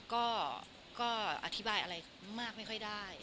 ก็อธิบายอะไรมากไม่ค่อยได้